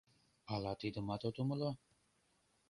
Ала тидымат от умыло?!..